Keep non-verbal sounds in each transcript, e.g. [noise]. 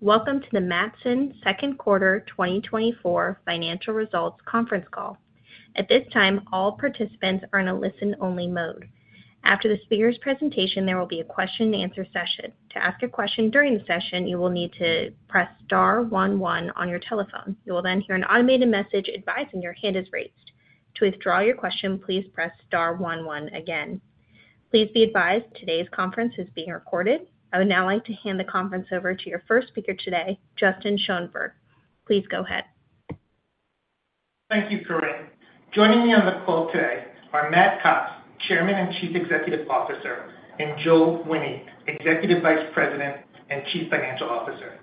Welcome to the Matson Second Quarter 2024 financial results conference call. At this time, all participants are in a listen-only mode. After the speaker's presentation, there will be a question-and-answer session. To ask a question during the session, you will need to press star one one on your telephone. You will then hear an automated message advising your hand is raised. To withdraw your question, please press star one one again. Please be advised today's conference is being recorded. I would now like to hand the conference over to your first speaker today, Justin Schoenberg. Please go ahead. Thank you, Karin. Joining me on the call today are Matt Cox, Chairman and Chief Executive Officer, and Joel Wine, Executive Vice President and Chief Financial Officer.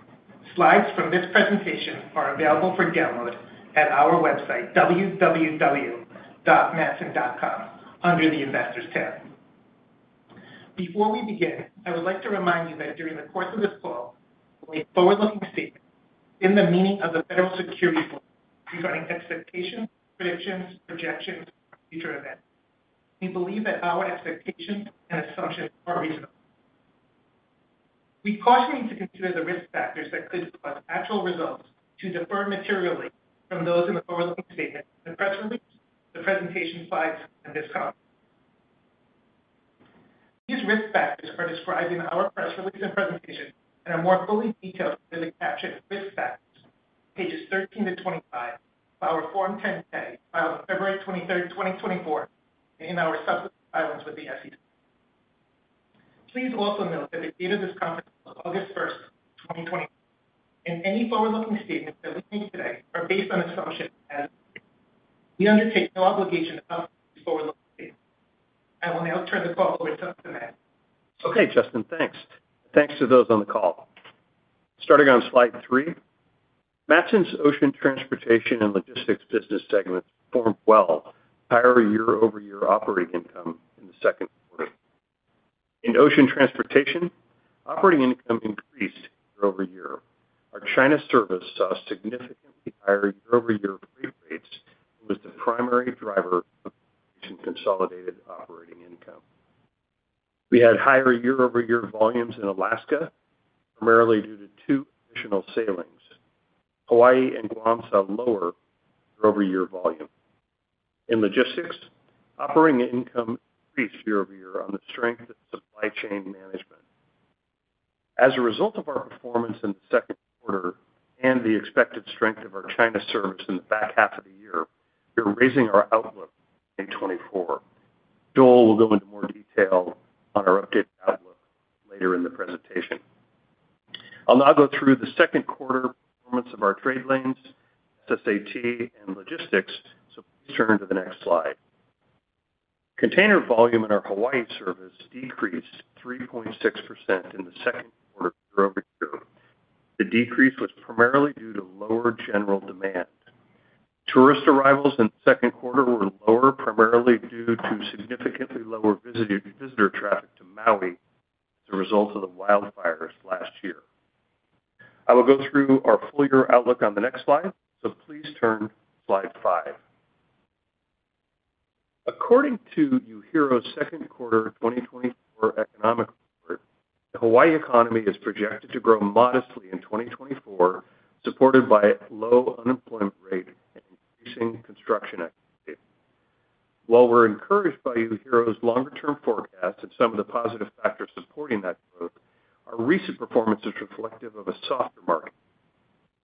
Slides from this presentation are available for download at our website, www.matson.com, under the Investors tab. Before we begin, I would like to remind you that during the course of this call, any forward-looking statements within the meaning of the federal securities laws regarding expectations, predictions, projections, future events. We believe that our expectations and assumptions are reasonable. We caution you to consider the risk factors that could cause actual results to differ materially from those in the forward-looking statements, the press release, the presentation slides, and this conference. These risk factors are described in our press release and presentation and are more fully detailed in the, [audio distortion] pages 13-25 of our Form 10-K, filed February 23rd, 2024, and in our subsequent filings with the SEC. Please also note that the date of this conference is August 1st, 2020, and any forward-looking statements that we make today are based on assumptions. We undertake no obligation to update these forward-looking statements. I will now turn the call over to Matt. Okay, Justin, thanks. Thanks to those on the call. Starting on slide 3, Matson's Ocean Transportation and Logistics business segments performed well, higher year-over-year operating income in the second quarter. In ocean transportation, operating income increased year-over-year. Our China service saw significantly higher year-over-year freight rates and was the primary driver of consolidated operating income. We had higher year-over-year volumes in Alaska, primarily due to 2 additional sailings. Hawaii and Guam saw lower year-over-year volume. In logistics, operating income increased year-over-year on the strength of supply chain management. As a result of our performance in the second quarter and the expected strength of our China service in the back half of the year, we're raising our outlook in 2024. Joel will go into more detail on our updated outlook later in the presentation. I'll now go through the second quarter performance of our trade lanes, SSAT, and logistics, so please turn to the next slide. Container volume in our Hawaii service decreased 3.6% in the second quarter year-over-year. The decrease was primarily due to lower general demand. Tourist arrivals in the second quarter were lower, primarily due to significantly lower visitor traffic to Maui as a result of the wildfires last year. I will go through our full year outlook on the next slide, so please turn to slide 5. According to UHERO's second quarter 2024 economic report, the Hawaii economy is projected to grow modestly in 2024, supported by a low unemployment rate and increasing construction activity. While we're encouraged by UHERO's longer-term forecast and some of the positive factors supporting that growth, our recent performance is reflective of a softer market.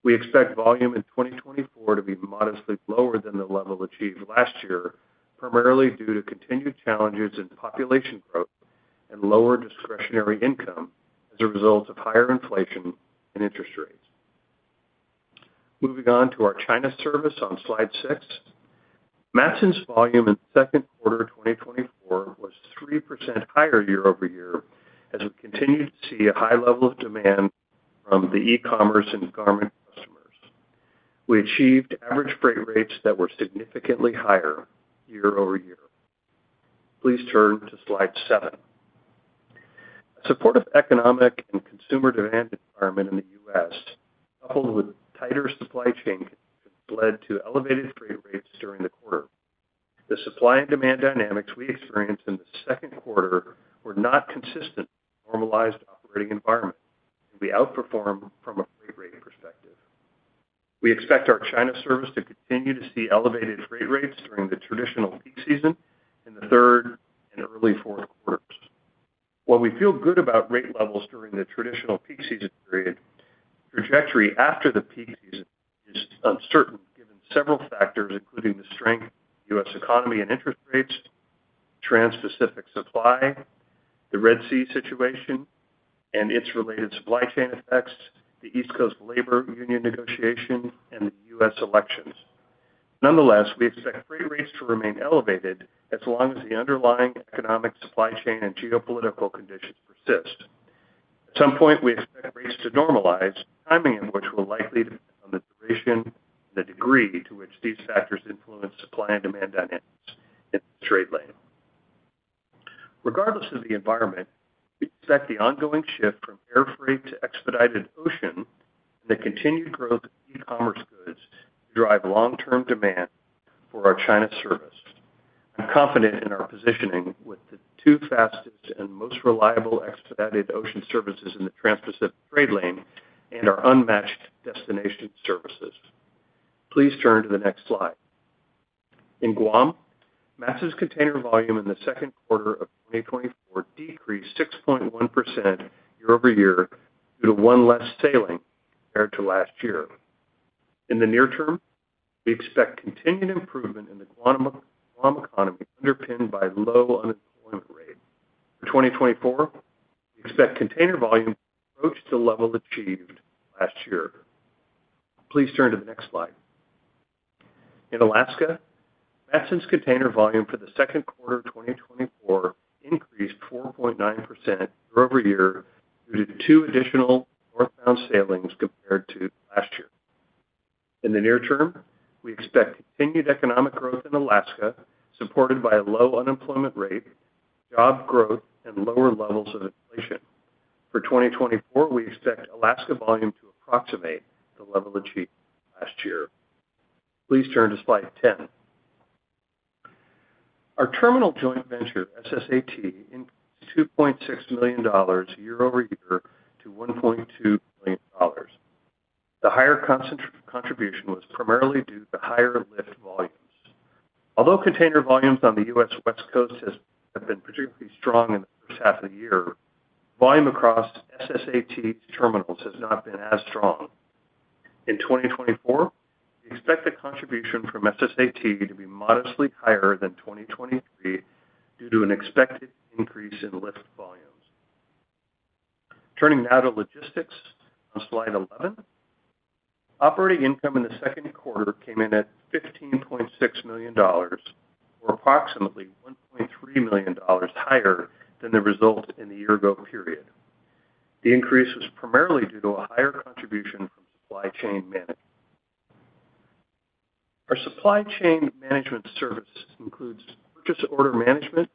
We expect volume in 2024 to be modestly lower than the level achieved last year, primarily due to continued challenges in population growth and lower discretionary income as a result of higher inflation and interest rates. Moving on to our China service on slide 6. Matson's volume in the second quarter of 2024 was 3% higher year-over-year, as we continued to see a high level of demand from the e-commerce and garment customers. We achieved average freight rates that were significantly higher year-over-year. Please turn to slide 7. Supportive economic and consumer demand environment in the U.S., coupled with tighter supply chain, led to elevated freight rates during the quarter. The supply and demand dynamics we experienced in the second quarter were not consistent with a normalized operating environment, and we outperformed from a freight rate perspective. We expect our China service to continue to see elevated freight rates during the traditional peak season in the third and early fourth quarters. While we feel good about rate levels during the traditional peak season period, trajectory after the peak season is uncertain, given several factors, including the strength of the U.S. economy and interest rates, transpacific supply, the Red Sea situation and its related supply chain effects, the East Coast labor union negotiation, and the U.S. elections. Nonetheless, we expect freight rates to remain elevated as long as the underlying economic supply chain and geopolitical conditions persist. At some point, we expect rates to normalize, timing in which will likely depend on the duration and the degree to which these factors influence supply and demand dynamics in the trade lane. Regardless of the environment, we expect the ongoing shift from air freight to expedited ocean and the continued growth of e-commerce goods to drive long-term demand for our China service. I'm confident in our positioning with the two fastest and most reliable expedited ocean services in the Transpacific trade lane and our unmatched destination services. Please turn to the next slide. In Guam, Matson's container volume in the second quarter of 2024 decreased 6.1% year-over-year due to one less sailing compared to last year. In the near term, we expect continued improvement in the Guam economy, underpinned by low unemployment rate. For 2024, we expect container volume to approach the level achieved last year. Please turn to the next slide. In Alaska, Matson's container volume for the second quarter of 2024 increased 4.9% year-over-year due to 2 additional northbound sailings compared to last year. In the near term, we expect continued economic growth in Alaska, supported by a low unemployment rate, job growth, and lower levels of inflation. For 2024, we expect Alaska volume to approximate the level achieved last year. Please turn to slide 10. Our terminal joint venture, SSAT, increased $2.6 million year-over-year to $1.2 billion. The higher contribution was primarily due to higher lift volumes. Although container volumes on the U.S. West Coast have been particularly strong in the first half of the year, volume across SSAT terminals has not been as strong. In 2024, we expect the contribution from SSAT to be modestly higher than 2023 due to an expected increase in lift volumes. Turning now to logistics on slide 11. Operating income in the second quarter came in at $15.6 million, or approximately $1.3 million higher than the result in the year-ago period. The increase was primarily due to a higher contribution from supply chain management. Our supply chain management services includes purchase order management,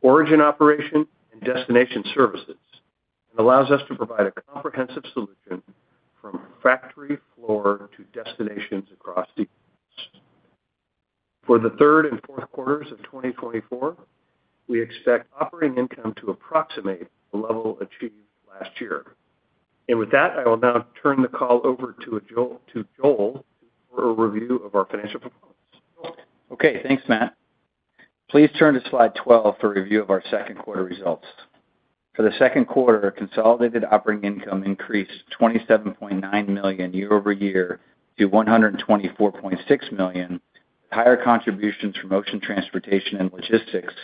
origin operation, and destination services, and allows us to provide a comprehensive solution from factory floor to destinations across the U.S. For the third and fourth quarters of 2024, we expect operating income to approximate the level achieved last year. With that, I will now turn the call over to Joel, to Joel for a review of our financial performance. Joel? Okay, thanks, Matt. Please turn to slide 12 for a review of our second quarter results. For the second quarter, consolidated operating income increased $27.9 million year-over-year to $124.6 million, with higher contributions from ocean transportation and logistics,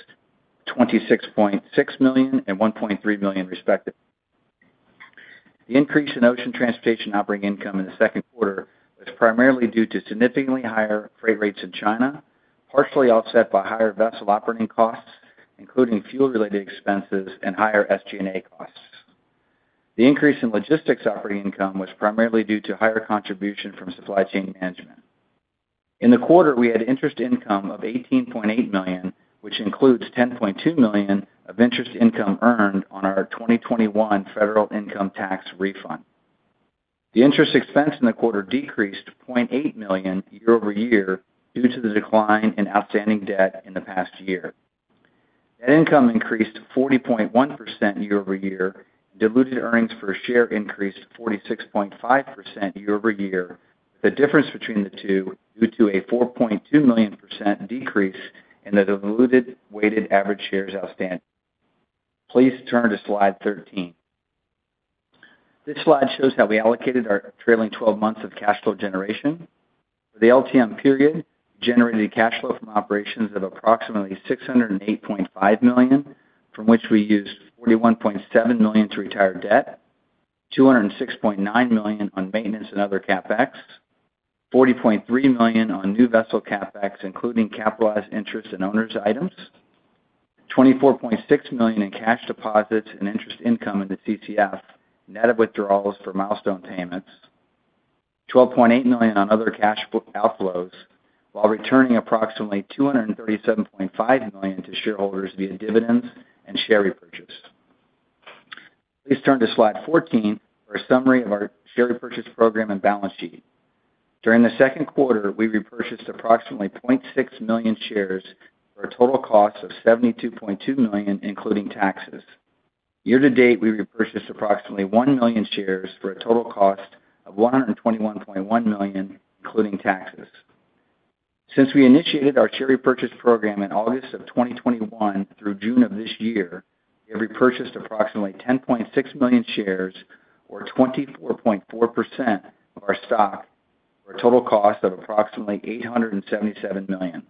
$26.6 million and $1.3 million, respectively. The increase in ocean transportation operating income in the second quarter was primarily due to significantly higher freight rates in China, partially offset by higher vessel operating costs, including fuel-related expenses and higher SG&A costs. The increase in logistics operating income was primarily due to higher contribution from supply chain management. In the quarter, we had interest income of $18.8 million, which includes $10.2 million of interest income earned on our 2021 federal income tax refund. The interest expense in the quarter decreased to $0.8 million year-over-year due to the decline in outstanding debt in the past year. Net income increased 40.1% year-over-year. Diluted earnings per share increased 46.5% year-over-year. The difference between the two due to a 4.2% million decrease in the diluted weighted average shares outstanding. Please turn to slide 13. This slide shows how we allocated our trailing twelve months of cash flow generation. For the LTM period, we generated cash flow from operations of approximately $608.5 million, from which we used $41.7 million to retire debt, $206.9 million on maintenance and other CapEx, $40.3 million on new vessel CapEx, including capitalized interest and owners items, $24.6 million in cash deposits and interest income in the CCF, net of withdrawals for milestone payments, $12.8 million on other cash outflows, while returning approximately $237.5 million to shareholders via dividends and share repurchase. Please turn to slide 14 for a summary of our share repurchase program and balance sheet. During the second quarter, we repurchased approximately 0.6 million shares for a total cost of $72.2 million, including taxes. Year to date, we repurchased approximately 1 million shares for a total cost of $121.1 million, including taxes. Since we initiated our share repurchase program in August 2021 through June of this year, we have repurchased approximately 10.6 million shares or 24.4% of our stock, for a total cost of approximately $877 million.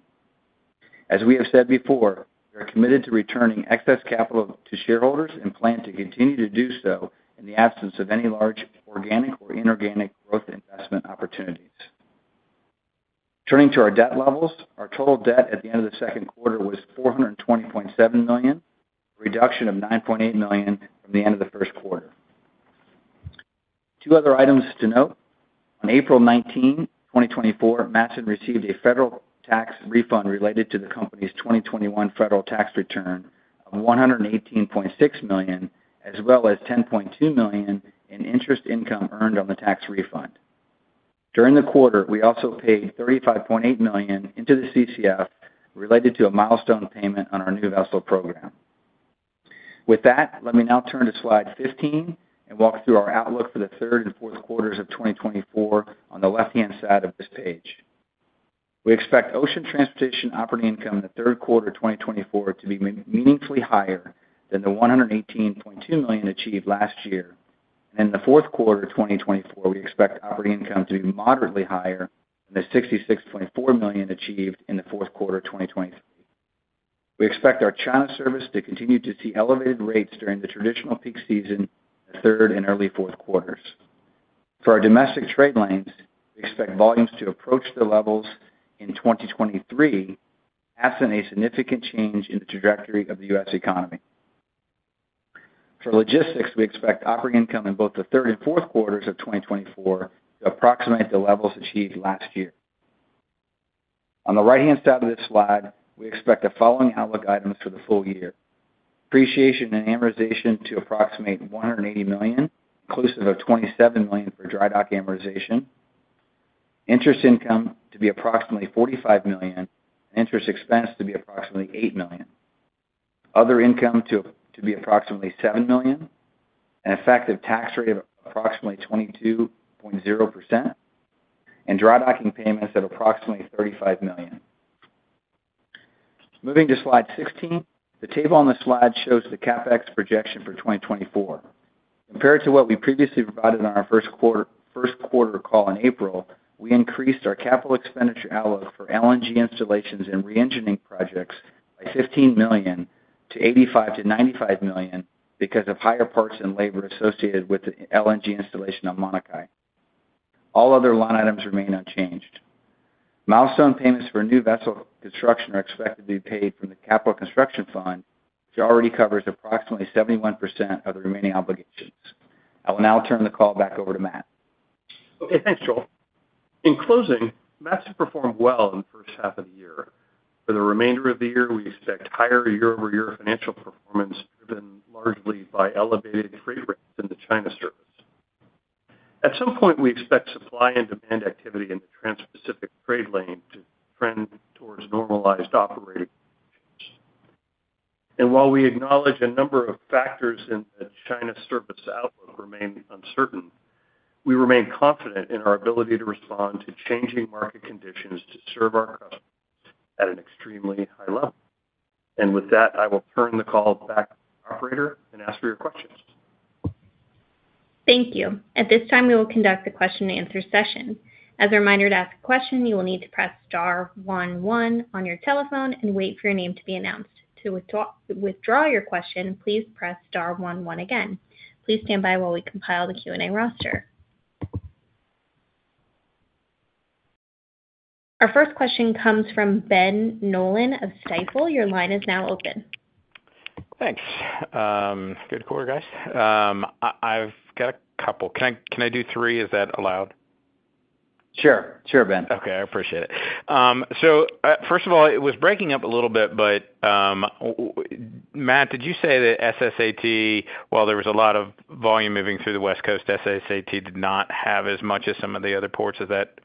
As we have said before, we are committed to returning excess capital to shareholders and plan to continue to do so in the absence of any large, organic or inorganic growth investment opportunities. Turning to our debt levels, our total debt at the end of the second quarter was $420.7 million, a reduction of $9.8 million from the end of the first quarter. Two other items to note: on April 19, 2024, Matson received a federal tax refund related to the company's 2021 federal tax return of $118.6 million, as well as $10.2 million in interest income earned on the tax refund. During the quarter, we also paid $35.8 million into the CCF, related to a milestone payment on our new vessel program. With that, let me now turn to Slide 15, and walk through our outlook for the third and fourth quarters of 2024 on the left-hand side of this page. We expect ocean transportation operating income in the third quarter of 2024 to be meaningfully higher than the $118.2 million achieved last year. In the fourth quarter of 2024, we expect operating income to be moderately higher than the $66.4 million achieved in the fourth quarter of 2023. We expect our China service to continue to see elevated rates during the traditional peak season, the third and early fourth quarters. For our domestic trade lanes, we expect volumes to approach the levels in 2023, absent a significant change in the trajectory of the U.S. economy. For logistics, we expect operating income in both the third and fourth quarters of 2024 to approximate the levels achieved last year. On the right-hand side of this slide, we expect the following outlook items for the full year: depreciation and amortization to approximate $180 million, inclusive of $27 million for dry dock amortization, interest income to be approximately $45 million, and interest expense to be approximately $8 million. Other income to be approximately $7 million, an effective tax rate of approximately 22.0%, and dry docking payments of approximately $35 million. Moving to Slide 16, the table on this slide shows the CapEx projection for 2024. Compared to what we previously provided in our first quarter, first quarter call in April, we increased our capital expenditure outlook for LNG installations and reengineering projects by $15 million to $85 million-$95 million because of higher parts and labor associated with the LNG installation on Manukai. All other line items remain unchanged. Milestone payments for new vessel construction are expected to be paid from the Capital Construction Fund, which already covers approximately 71% of the remaining obligations. I will now turn the call back over to Matt. Okay, thanks, Joel. In closing, Matson performed well in the first half of the year. For the remainder of the year, we expect higher year-over-year financial performance, driven largely by elevated freight rates in the China service. At some point, we expect supply and demand activity in the Transpacific trade lane to trend towards normalized operating conditions. And while we acknowledge a number of factors in the China service outlook remain uncertain, we remain confident in our ability to respond to changing market conditions to serve our customers at an extremely high level. And with that, I will turn the call back to the operator and ask for your questions. Thank you. At this time, we will conduct a question-and-answer session. As a reminder, to ask a question, you will need to press star one one on your telephone and wait for your name to be announced. To withdraw your question, please press star one one again. Please stand by while we compile the Q&A roster. Our first question comes from Ben Nolan of Stifel. Your line is now open. Thanks. Good quarter, guys. I've got a couple. Can I do three? Is that allowed? Sure. Sure, Ben. Okay, I appreciate it. So, first of all, it was breaking up a little bit, but, Matt, did you say that SSAT, while there was a lot of volume moving through the West Coast, SSAT did not have as much as some of the other ports? Is that,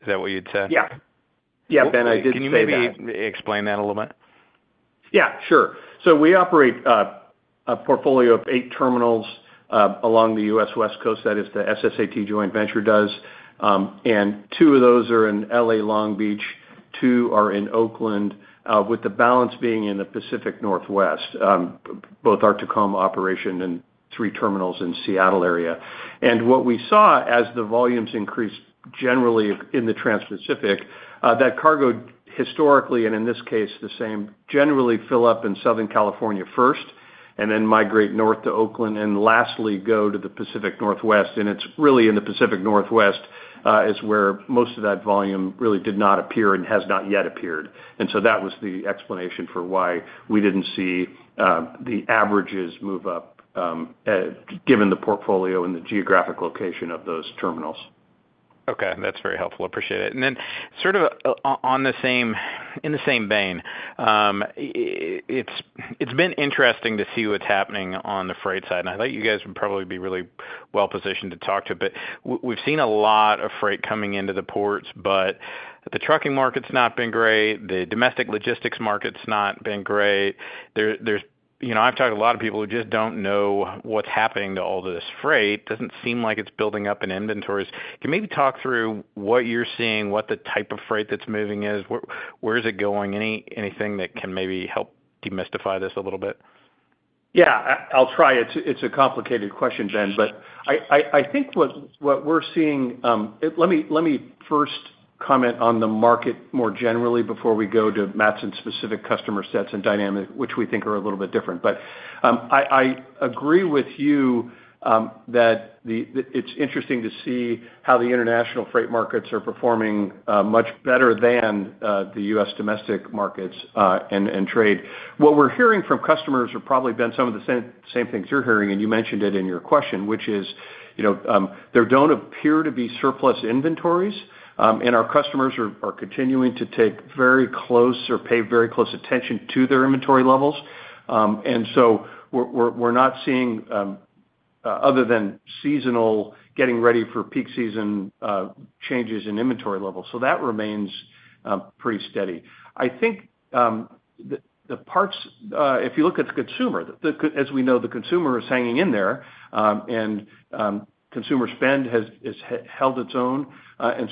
is that what you'd said? Yeah. Yeah, Ben, I did say that. Can you maybe explain that a little bit? Yeah, sure. So we operate a portfolio of eight terminals along the U.S. West Coast, that is, the SSAT joint venture does. And two of those are in L.A., Long Beach, two are in Oakland, with the balance being in the Pacific Northwest, both our Tacoma operation and three terminals in Seattle area. And what we saw as the volumes increased generally in the transpacific, that cargo historically, and in this case, the same, generally fill up in Southern California first, and then migrate north to Oakland, and lastly, go to the Pacific Northwest. And it's really in the Pacific Northwest is where most of that volume really did not appear and has not yet appeared. That was the explanation for why we didn't see the averages move up, given the portfolio and the geographic location of those terminals. Okay. That's very helpful. Appreciate it. And then sort of, in the same vein, it's been interesting to see what's happening on the freight side, and I thought you guys would probably be really well positioned to talk to it. But we've seen a lot of freight coming into the ports, but the trucking market's not been great, the domestic logistics market's not been great. There's... You know, I've talked to a lot of people who just don't know what's happening to all this freight. Doesn't seem like it's building up in inventories. Can you maybe talk through what you're seeing, what the type of freight that's moving is, where it's going? Anything that can maybe help demystify this a little bit? Yeah, I'll try. It's a complicated question, Ben, but I think what we're seeing, let me first comment on the market more generally before we go to Matson-specific customer sets and dynamic, which we think are a little bit different. But I agree with you that it's interesting to see how the international freight markets are performing much better than the U.S. domestic markets and trade. What we're hearing from customers are probably, Ben, some of the same things you're hearing, and you mentioned it in your question, which is, you know, there don't appear to be surplus inventories. And our customers are continuing to take very close or pay very close attention to their inventory levels. So we're not seeing, other than seasonal getting ready for peak season, changes in inventory levels. That remains pretty steady. I think if you look at the consumer, as we know, the consumer is hanging in there, and consumer spend has held its own.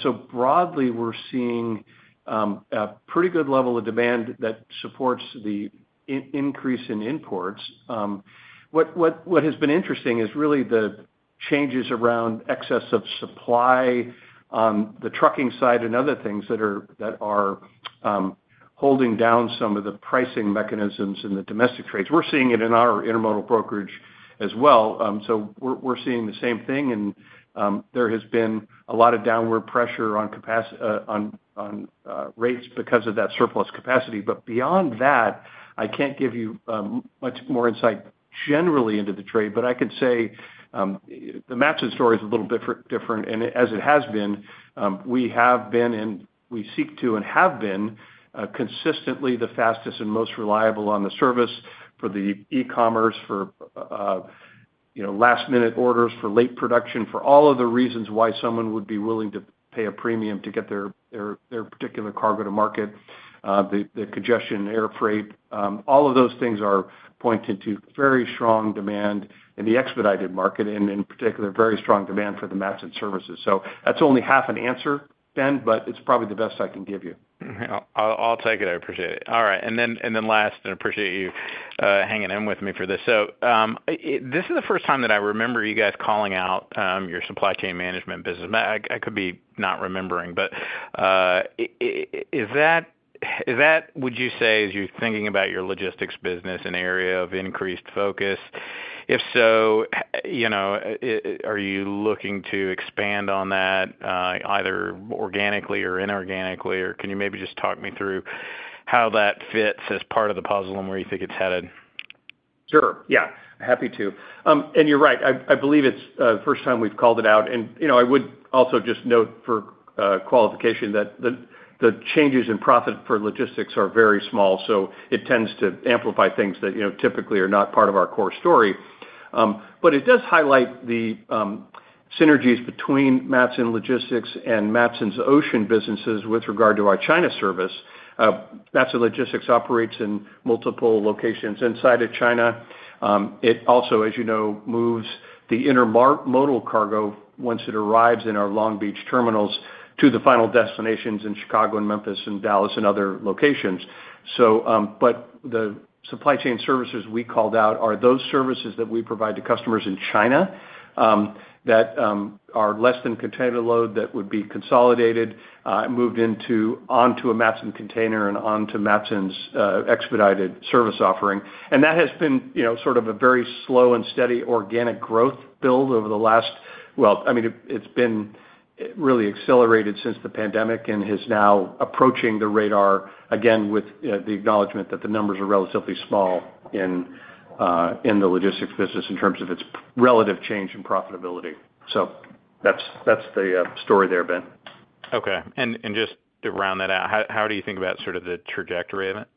So broadly, we're seeing a pretty good level of demand that supports the increase in imports. What has been interesting is really the changes around excess of supply on the trucking side and other things that are holding down some of the pricing mechanisms in the domestic trades. We're seeing it in our intermodal brokerage as well. So we're seeing the same thing, and there has been a lot of downward pressure on rates because of that surplus capacity. But beyond that, I can't give you much more insight generally into the trade, but I could say the Matson story is a little different, and as it has been, we have been, and we seek to and have been consistently the fastest and most reliable on the service for the e-commerce, for you know, last-minute orders, for late production, for all of the reasons why someone would be willing to pay a premium to get their particular cargo to market. The congestion in air freight, all of those things are pointing to very strong demand in the expedited market, and in particular, very strong demand for the Matson services. So that's only half an answer, Ben, but it's probably the best I can give you. Mm-hmm. I'll take it. I appreciate it. All right, and then last, and I appreciate you hanging in with me for this. So, this is the first time that I remember you guys calling out your supply chain management business. I could be not remembering, but is that, would you say, as you're thinking about your logistics business, an area of increased focus? If so, you know, are you looking to expand on that, either organically or inorganically, or can you maybe just talk me through how that fits as part of the puzzle and where you think it's headed? Sure. Yeah, happy to. And you're right. I believe it's the first time we've called it out, and, you know, I would also just note for qualification that the changes in profit for logistics are very small, so it tends to amplify things that, you know, typically are not part of our core story. But it does highlight the synergies between Matson Logistics and Matson's ocean businesses with regard to our China service. Matson Logistics operates in multiple locations inside of China. It also, as you know, moves the intermodal cargo once it arrives in our Long Beach terminals to the final destinations in Chicago, and Memphis, and Dallas, and other locations. So, but the supply chain services we called out are those services that we provide to customers in China, that, are less than container load, that would be consolidated, and moved onto a Matson container and onto Matson's, expedited service offering. And that has been, you know, sort of a very slow and steady organic growth build over the last... Well, I mean, it's been, really accelerated since the pandemic and is now on the radar, again, with, the acknowledgment that the numbers are relatively small in, in the logistics business in terms of its relative change in profitability. So that's, that's the, story there, Ben. Okay. And just to round that out, how do you think about sort of the trajectory of it?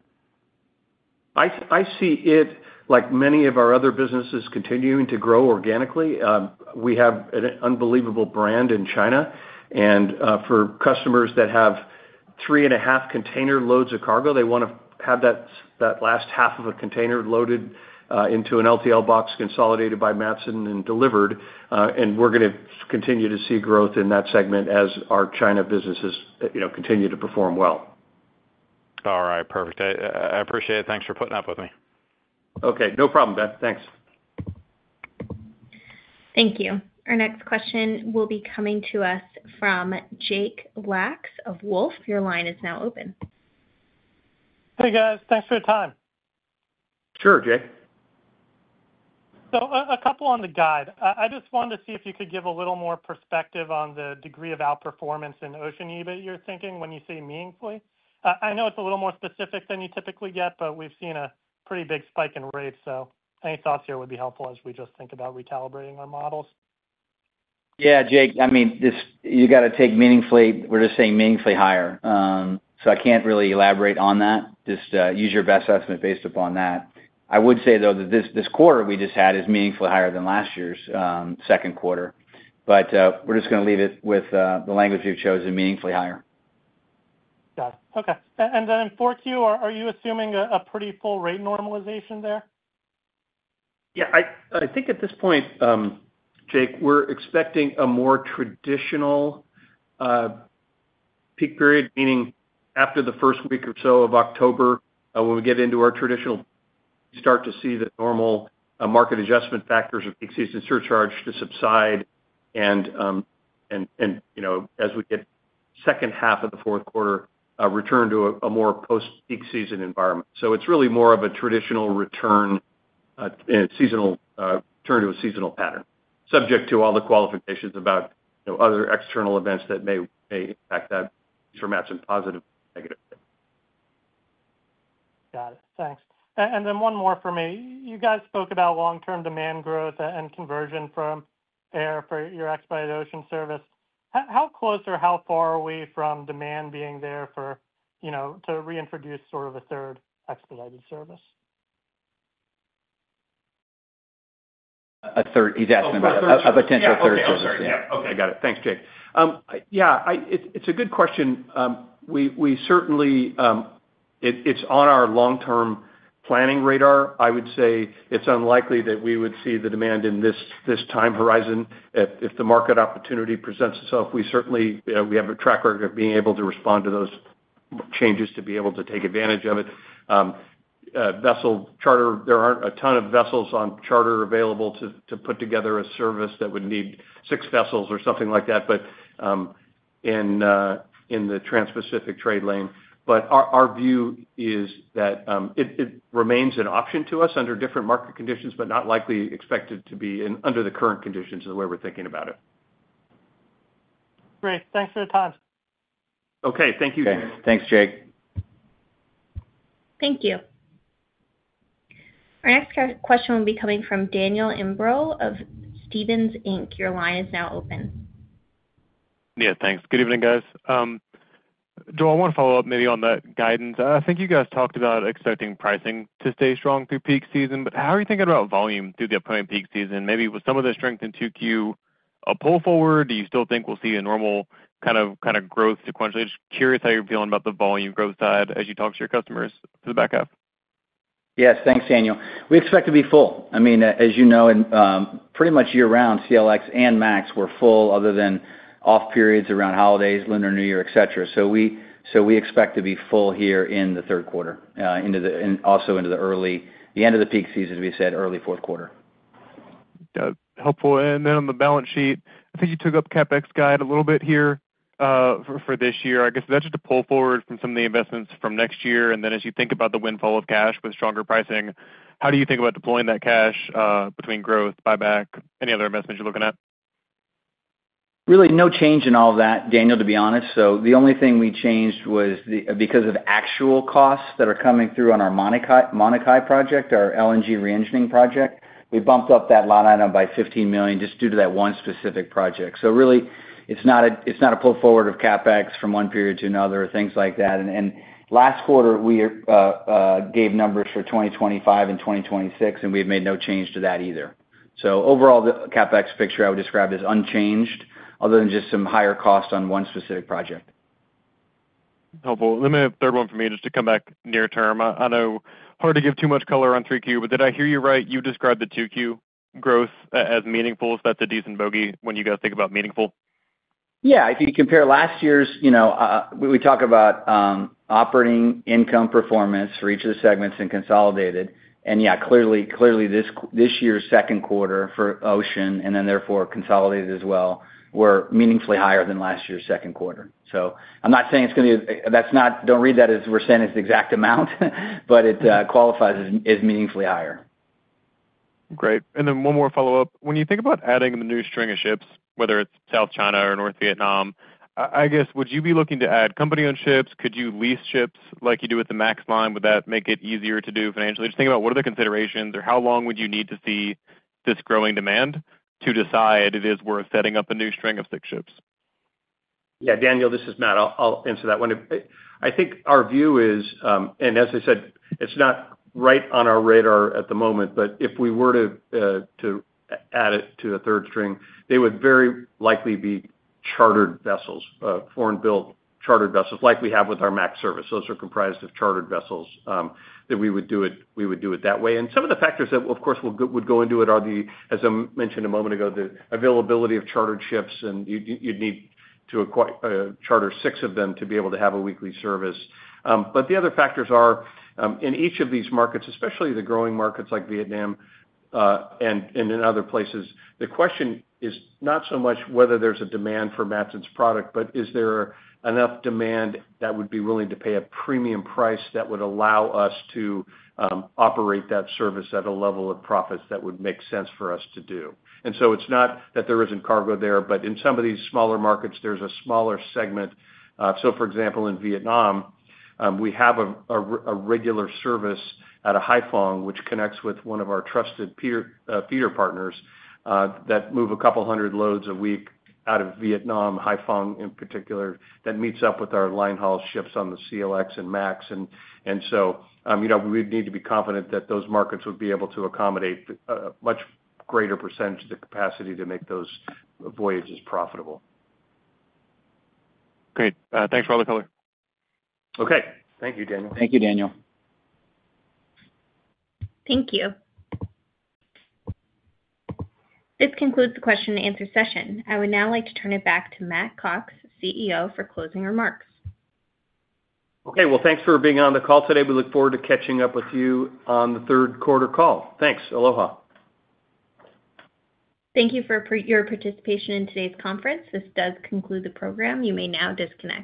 I see it, like many of our other businesses, continuing to grow organically. We have an unbelievable brand in China, and for customers that have three and a half container loads of cargo, they want to have that last half of a container loaded into an LCL box, consolidated by Matson and delivered, and we're gonna continue to see growth in that segment as our China businesses, you know, continue to perform well. All right, perfect. I appreciate it. Thanks for putting up with me. Okay. No problem, Ben. Thanks. Thank you. Our next question will be coming to us from Jake Lacks of Wolfe. Your line is now open. Hey, guys. Thanks for your time. Sure, Jake. So, a couple on the guide. I just wanted to see if you could give a little more perspective on the degree of outperformance in Ocean EBIT that you're thinking when you say meaningfully. I know it's a little more specific than you typically get, but we've seen a pretty big spike in rates, so any thoughts here would be helpful as we just think about recalibrating our models. Yeah, Jake, I mean, this, you gotta take meaningfully. We're just saying meaningfully higher. So I can't really elaborate on that. Just use your best estimate based upon that. I would say, though, that this, this quarter we just had, is meaningfully higher than last year's second quarter. But we're just gonna leave it with the language we've chosen, meaningfully higher. Got it. Okay. And then in 4Q, are you assuming a pretty full rate normalization there? Yeah, I think at this point, Jake, we're expecting a more traditional peak period, meaning after the first week or so of October, when we get into our traditional start to see the normal market adjustment factors of peak season surcharge to subside, and, you know, as we get second half of the fourth quarter, return to a more post-peak season environment. So it's really more of a traditional return, seasonal return to a seasonal pattern, subject to all the qualifications about, you know, other external events that may impact that for Matson positive, negative.... Thanks. And then one more for me. You guys spoke about long-term demand growth and conversion from air for your expedited ocean service. How close or how far are we from demand being there for, you know, to reintroduce sort of a third expedited service? A third, he's asking about a potential third service. Yeah. Okay, I'm sorry. Yeah. Okay, got it. Thanks, Jake. Yeah, it's a good question. We certainly, it's on our long-term planning radar. I would say it's unlikely that we would see the demand in this time horizon. If the market opportunity presents itself, we certainly have a track record of being able to respond to those changes, to be able to take advantage of it. Vessel charter, there aren't a ton of vessels on charter available to put together a service that would need six vessels or something like that, but in the transpacific trade lane. But our view is that it remains an option to us under different market conditions, but not likely expected to be in under the current conditions the way we're thinking about it. Great. Thanks for the time. Okay. Thank you. Thanks, Jake. Thank you. Our next question will be coming from Daniel Imbro of Stephens Inc. Your line is now open. Yeah, thanks. Good evening, guys. Joel, I want to follow up maybe on the guidance. I think you guys talked about expecting pricing to stay strong through peak season, but how are you thinking about volume through the upcoming peak season? Maybe with some of the strength in 2Q, a pull forward, do you still think we'll see a normal kind of growth sequentially? Just curious how you're feeling about the volume growth side as you talk to your customers for the backup. Yes, thanks, Daniel. We expect to be full. I mean, as you know, in pretty much year-round, CLX and MAX were full other than off periods around holidays, Lunar New Year, et cetera. So we expect to be full here in the third quarter into the, and also into the early the end of the peak season, as we said, early fourth quarter. Helpful. And then on the balance sheet, I think you took up CapEx guide a little bit here, for, for this year. I guess that's just a pull forward from some of the investments from next year. And then as you think about the windfall of cash with stronger pricing, how do you think about deploying that cash, between growth, buyback, any other investments you're looking at? Really, no change in all of that, Daniel, to be honest. So the only thing we changed was the, because of actual costs that are coming through on our Manukai, Manukai project, our LNG reengineering project. We bumped up that line item by $15 million, just due to that one specific project. So really, it's not a, it's not a pull forward of CapEx from one period to another, things like that. And, and last quarter, we are, gave numbers for 2025 and 2026, and we've made no change to that either. So overall, the CapEx picture I would describe as unchanged, other than just some higher costs on one specific project. Helpful. Let me have a third one for me, just to come back near term. I know, hard to give too much color on 3Q, but did I hear you right? You described the 2Q growth as meaningful. Is that the decent bogey when you guys think about meaningful? Yeah, if you compare last year's, you know, we talk about operating income performance for each of the segments and consolidated, and yeah, clearly, this year's second quarter for Ocean, and then therefore consolidated as well, were meaningfully higher than last year's second quarter. So I'm not saying it's going to be- that's not... don't read that as we're saying it's the exact amount, but it qualifies as meaningfully higher. Great. And then one more follow-up. When you think about adding the new string of ships, whether it's South China or North Vietnam, I guess, would you be looking to add company-owned ships? Could you lease ships like you do with the MAX line? Would that make it easier to do financially? Just think about what are the considerations, or how long would you need to see this growing demand to decide it is worth setting up a new string of six ships? Yeah, Daniel, this is Matt. I'll answer that one. I think our view is, and as I said, it's not right on our radar at the moment, but if we were to add it to a third string, they would very likely be chartered vessels, foreign-built chartered vessels, like we have with our MAX service. Those are comprised of chartered vessels, that we would do it, we would do it that way. And some of the factors that, of course, would go into it are the, as I mentioned a moment ago, the availability of chartered ships, and you'd need to acquire, charter six of them to be able to have a weekly service. But the other factors are in each of these markets, especially the growing markets like Vietnam, and in other places, the question is not so much whether there's a demand for Matson's product, but is there enough demand that would be willing to pay a premium price that would allow us to operate that service at a level of profits that would make sense for us to do? And so it's not that there isn't cargo there, but in some of these smaller markets, there's a smaller segment. So for example, in Vietnam, we have a regular service at Haiphong, which connects with one of our trusted peer feeder partners that move 200 loads a week out of Vietnam, Haiphong in particular, that meets up with our line haul ships on the CLX and MAX. So, you know, we'd need to be confident that those markets would be able to accommodate a much greater percentage of the capacity to make those voyages profitable. Great. Thanks for all the color. Okay. Thank you, Daniel. Thank you, Daniel. Thank you. This concludes the question and answer session. I would now like to turn it back to Matt Cox, CEO, for closing remarks. Okay, well, thanks for being on the call today. We look forward to catching up with you on the third quarter call. Thanks. Aloha. Thank you for your participation in today's conference. This does conclude the program. You may now disconnect.